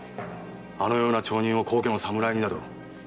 あのような町人を高家の侍になど。